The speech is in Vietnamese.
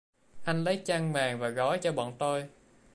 Anh lấy chăn màn và gối cho bọn tôi